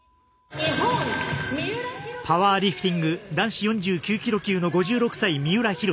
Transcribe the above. パワーリフティング男子４９キロ級の５６歳三浦浩。